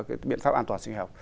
cái biện pháp an toàn sinh học